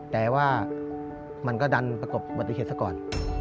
แต่ว่ามันก็ดันประกบัติเหตุซะก่อน